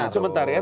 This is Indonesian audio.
tunggu sebentar ya